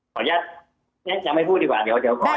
ขออนุญาตฉันยังไม่พูดดีกว่าเดี๋ยวขอ